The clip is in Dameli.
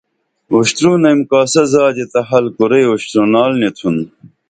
اُشترونئیم کاسہ زادی تہ حل کُرئی اُشترونال نی تُھن